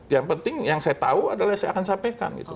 yang penting yang saya tahu adalah saya akan sampaikan